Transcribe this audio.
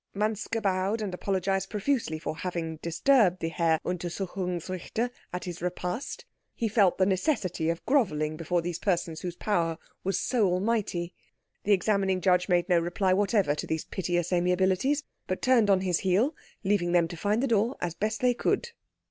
Manske bowed and apologised profusely for having disturbed the Herr Untersuchungsrichter at his repast; he felt the necessity of grovelling before these persons whose power was so almighty. The Examining Judge made no reply whatever to these piteous amiabilities, but turned on his heel, leaving them to find the door as best they could.